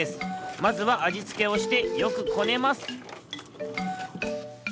まずはあじつけをしてよくこねます